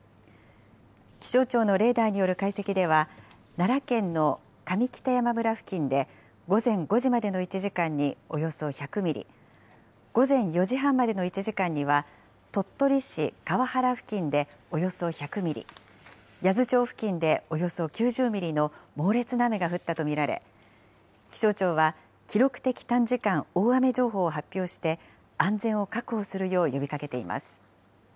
気象庁のレーダーによる解析では、奈良県の上北山村付近で午前５時までの１時間におよそ１００ミリ、午前４時半までの１時間には鳥取市河原付近でおよそ１００ミリ、八頭町付近でおよそ９０ミリの猛烈な雨が降ったと見られ、気象庁は記録的短時間大雨情報を発表して、安全を確保するよう呼びかけています。